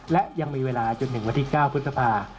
และยังมีเวลาจนถึงวันที่๙พฤษภา